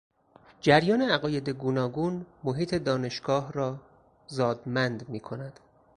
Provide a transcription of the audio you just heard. جریان عقاید گوناگون محیط دانشگاه را زادمند میکند.